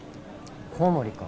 コウモリか？